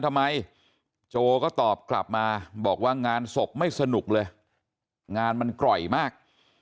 ทำไมโจก็ตอบกลับมาบอกว่างานศพไม่สนุกเลยงานมันกร่อยมาก